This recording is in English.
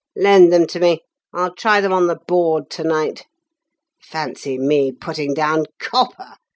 "Lend them to me. I'll try them on the board to night. Fancy me putting down _copper!